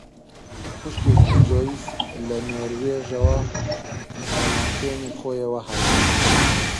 خوشکێکی جۆیس لە نۆروێژەوە بە ماشێنی خۆیەوە هاتبوو